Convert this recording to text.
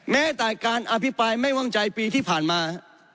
แม้แต่การอภิปรายไม่ว่างใจปีที่ผ่านมา